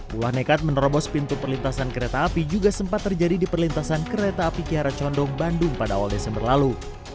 buah nekat menerobos pintu perlintasan kereta api juga sempat terjadi di perlintasan kereta api kiara condong bandung pada awal desember lalu